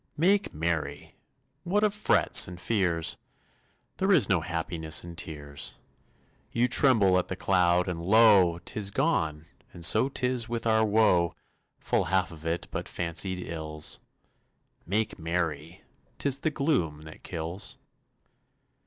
Make merry! What of frets and fears? There is no happiness in tears. You tremble at the cloud and lo! 'Tis gone and so 'tis with our woe, Full half of it but fancied ills. Make merry! 'Tis the gloom that kills.